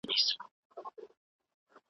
ملي شورا اقتصادي بندیزونه نه مني.